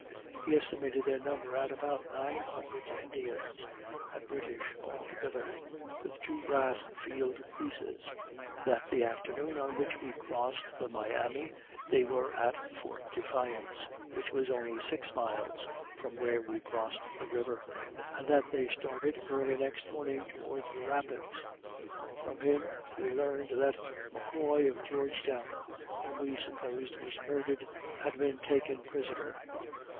He estimated their number at about nine hundred Indians and British altogether, with two brass field pieces; that the afternoon on which we crossed the Miami, they were at Fort Defiance, which was only six miles from where we crossed the river, and that they started early next morning towards the Rapids. From him we learned that McCoy of Georgetown, whom we supposed was murdered, had been taken prisoner.